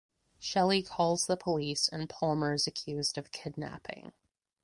Shelly calls the police and Palmer is accused of kidnapping.